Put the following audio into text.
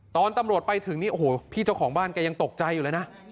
ตอนตำรวจไปถึงพี่เจ้าของบ้านก็ยังตกใจอยู่เลยนะ